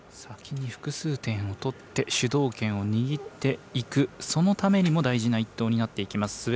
先に複数点を取って主導権を握っていくそのためにも大事な１投になっていきます。